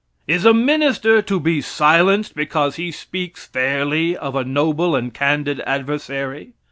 Is a minister to be silenced because he speaks fairly of a noble and candid adversary?